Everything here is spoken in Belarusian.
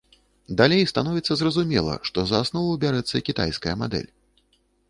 Далей становіцца зразумела, што за аснову бярэцца кітайская мадэль.